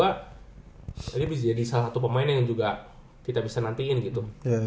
jadi bisa jadi salah satu pemain yang juga kita bisa nantiin gitu